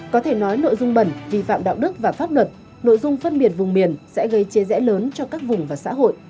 có thể nói nội dung bẩn vi phạm đạo đức và pháp luật nội dung phân biệt vùng miền sẽ gây chia rẽ lớn cho các vùng và xã hội